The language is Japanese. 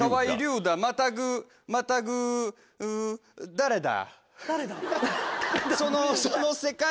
誰だ。